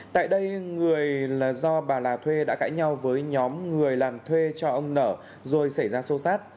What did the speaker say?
tại đây người do bà là thuê đã cãi nhau với nhóm người làng thuê cho ông nở rồi xảy ra sâu sát